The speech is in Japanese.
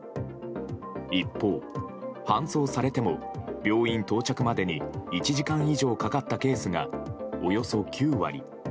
一方、搬送されても病院到着までに１時間以上かかったケースがおよそ９割。